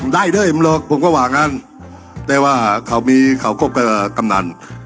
ได้ด้วยมึงหรอกผมก็ว่างั้นแต่ว่าเขามีเขาคบกับกำนัน